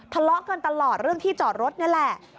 ทะเลาะกันตลอดเรื่องที่จอดรถนี่แหละ